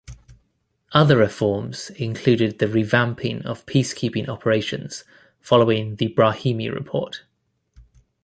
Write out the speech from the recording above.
Other reforms included the revamping of peacekeeping operations following the Brahimi Report.